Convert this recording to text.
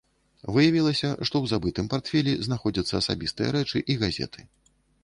Выявілася, што ў забытым партфелі знаходзяцца асабістыя рэчы і газеты.